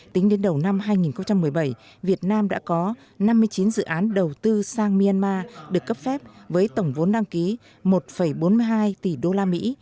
tính đến đầu năm hai nghìn một mươi bảy việt nam đã có năm mươi chín dự án đầu tư sang myanmar được cấp phép với tổng vốn đăng ký một bốn mươi hai tỷ đô la mỹ